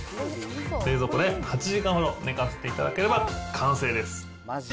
冷蔵庫で８時間ほど寝かせていただければ完成です。